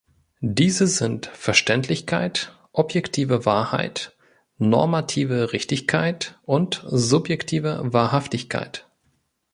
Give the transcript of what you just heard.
Diese sind: "Verständlichkeit", "objektive Wahrheit", "normative Richtigkeit" und "subjektive Wahrhaftigkeit".